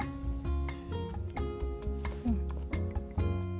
うん。